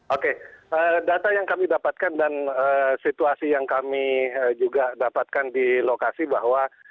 oke data yang kami dapatkan dan situasi yang kami juga dapatkan di lokasi bahwa